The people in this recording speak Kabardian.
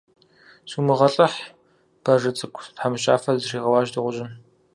- Сумыгъэлӏыхь, бажэ цӏыкӏу, - тхьэмыщкӏафэ зытригъэуащ дыгъужьым.